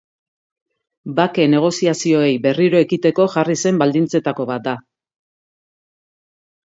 Bake negoziazioei berriro ekiteko jarri zen baldintzetako bat da.